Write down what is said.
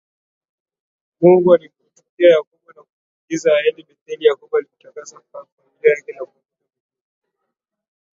Mungu alipomtokea Yakobo na kumwagiza Aende betheli Yakobo aliitakasa familia yake na kuondoa Miungu